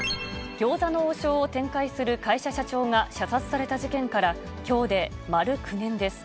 餃子の王将を展開する会社社長が射殺された事件からきょうで丸９年です。